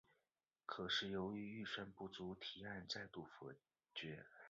可是由于预算不足提案再度否决。